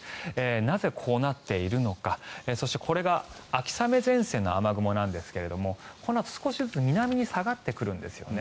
なぜこうなっているのかそしてこれが秋雨前線の雨雲なんですがこのあと少しずつ南に下がってくるんですよね。